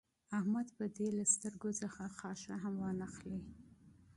احمد به دې له سترګو څخه خاشه هم وانخلي.